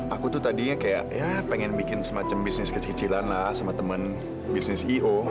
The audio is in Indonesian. aku tuh tadinya kayak ya pengen bikin semacam bisnis kecicilan lah sama temen bisnis i o